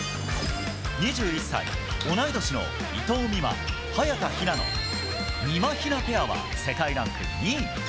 ２１歳、同い年の伊藤美誠・早田ひなのみまひなペアは、世界ランク２位。